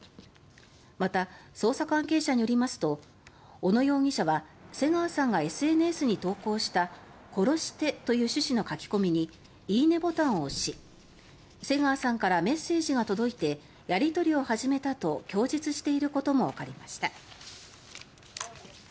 また、捜査関係者によりますと小野容疑者は瀬川さんがＳＮＳに投稿した殺してという趣旨の書き込みにいいねボタンを押し瀬川さんからメッセージが届いてやり取りを始めたと供述していることも分かりました。